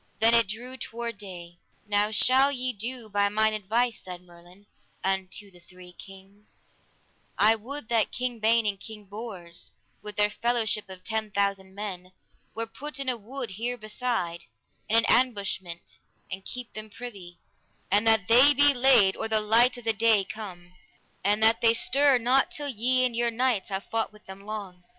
Then it drew toward day. Now shall ye do by mine advice, said Merlin unto the three kings: I would that King Ban and King Bors, with their fellowship of ten thousand men, were put in a wood here beside, in an ambushment, and keep them privy, and that they be laid or the light of the day come, and that they stir not till ye and your knights have fought with them long.